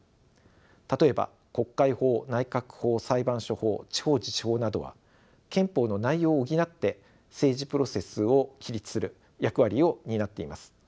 例えば国会法内閣法裁判所法地方自治法などは憲法の内容を補って政治プロセスを規律する役割を担っています。